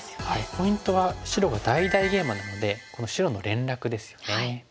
ポイントは白が大々ゲイマなのでこの白の連絡ですよね。